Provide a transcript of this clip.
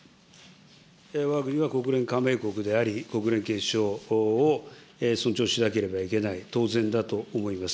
わが国は国連加盟国であり、国連憲章を尊重しなければいけない、当然だと思います。